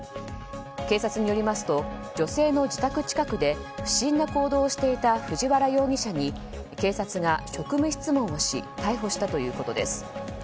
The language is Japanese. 警察によりますと女性の自宅近くで不審な行動をしていた藤原容疑者に警察が職務質問をし逮捕したということです。